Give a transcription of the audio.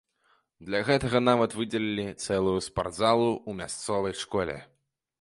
Для гэтага нават выдзелілі цэлую спартзалу ў мясцовай школе.